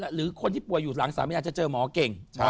หรือคนที่ป่วยอยู่หลังสามีอาจจะเจอหมอเก่ง